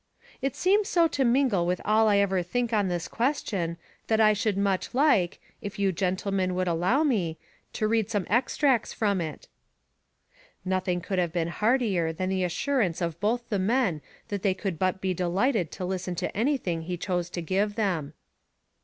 "It seems so to mingle with all I ever think on this question, that I should much like, if you gentlemen would allow me, to read some extracts from it." Nothing could have been heartier than the assurance of both the men that they could but be delighted to listen to anything he chose to give them.